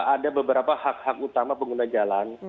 ada beberapa hak hak utama pengguna jalan